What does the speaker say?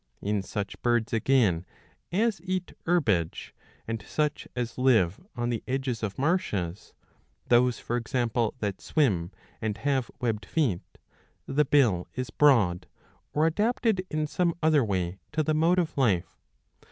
In such birds, again, as eat herbage, and such as live on the edges of marshes — those, for example, that swim and have webbed feet — the bill is broad, or adapted in some other way to the mode of life.